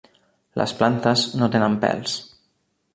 Les plantes no tenen pèls.